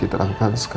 iya sekarang saya